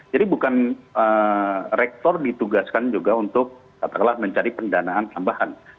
jadi bukan rektor ditugaskan juga untuk mencari pendanaan tambahan